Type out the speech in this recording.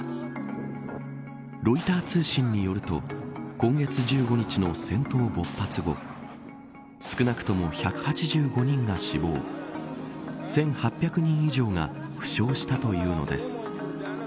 ロイター通信によると今月１５日の戦闘勃発後少なくとも１８５人が死亡１８００人以上が負傷したというのです。